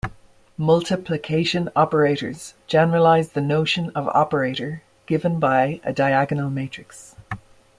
Multiplication operators generalize the notion of operator given by a diagonal matrix.